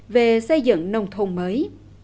về xây dựng nông thôn mới